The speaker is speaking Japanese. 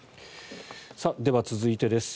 では、続いてです。